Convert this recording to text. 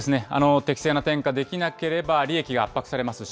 適正な転嫁できなければ、利益が圧迫されますし、